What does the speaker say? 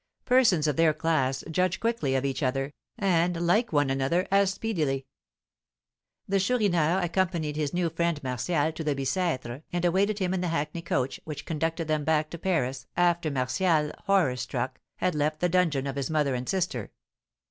Persons of their class judge quickly of each other, and like one another as speedily. The Chourineur accompanied his new friend Martial to the Bicêtre and awaited him in the hackney coach, which conducted them back to Paris after Martial, horror struck, had left the dungeon of his mother and sister.